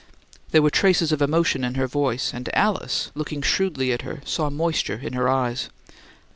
There were traces of emotion in her voice, and Alice, looking shrewdly at her, saw moisture in her eyes.